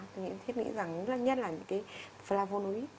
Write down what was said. tôi nghĩ rằng nhất là những cái flavonoid